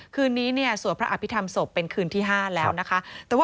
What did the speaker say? คืนนี้สวดพระอภิษฐรรมศพเป็นคืนที่๕แล้วนะคะ